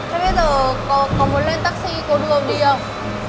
tôi bây giờ có muốn lên taxi cô đưa đi không